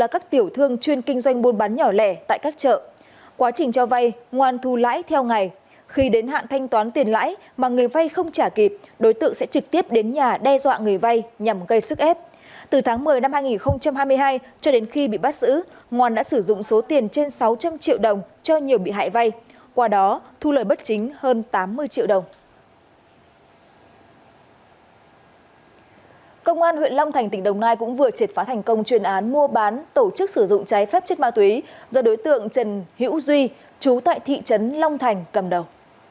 công an huyện long thành tỉnh đồng nai cũng vừa triệt phá thành công chuyên án mua bán tổ chức sử dụng cháy phép chất ma túy do đối tượng trần hữu duy chú tại thị trấn long thành cầm đầu